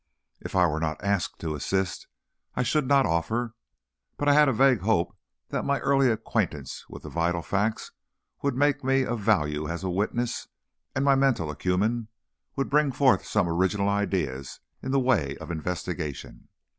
If I were not asked to assist, I should not offer; but I had a vague hope that my early acquaintance with the vital facts would make me of value as a witness and my mental acumen would bring forth some original ideas in the way of investigation.